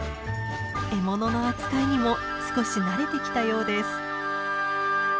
獲物の扱いにも少し慣れてきたようです。